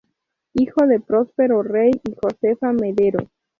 Hijo de Próspero Rey y Josefa Mederos.